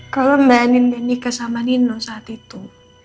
kalau mbak anin dan nika sama nino saat itu